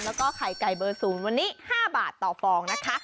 แล้วก็ไข่ไก่เบอร์๐วันนี้๕บาทต่อฟองนะคะ